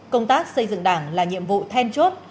công tác xây dựng đảng là nhiệm vụ then chốt